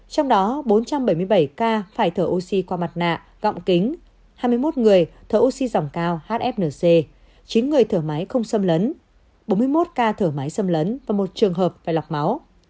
trong đó bốn trăm bảy mươi bảy ca phải thở oxy qua mặt nạ gọng kính hai mươi một người thở oxy dòng cao hfnc chín người thở máy không xâm lấn bốn mươi một ca thở máy xâm lấn và một trường hợp phải lọc máu